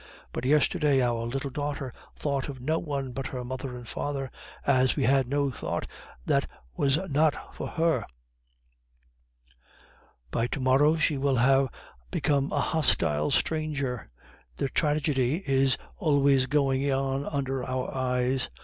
But yesterday our little daughter thought of no one but her mother and father, as we had no thought that was not for her; by to morrow she will have become a hostile stranger. The tragedy is always going on under our eyes.